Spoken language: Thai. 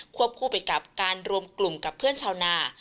คู่ไปกับการรวมกลุ่มกับเพื่อนชาวนา